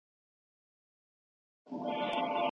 په خپلو خبرو کي له احتیاط څخه کار واخلئ.